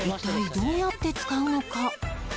一体どうやって使うのか？